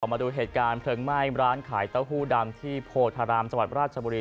ออกมาดูเหตุการณ์ฝึงไม่ร้านขายแต้าหู้ดำที่โพธรรมทรราชบุรี